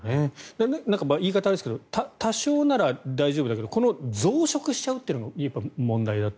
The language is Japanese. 言い方はあれですが多少なら大丈夫だけどこの増殖しちゃうというのが問題と。